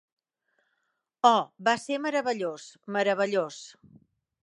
Oh, va ser meravellós. Meravellós.